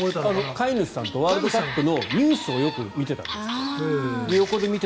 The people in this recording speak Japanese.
飼い主さんとワールドカップのニュースをよく見てたんですって。